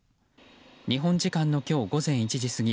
日本時間の今日午前１時過ぎ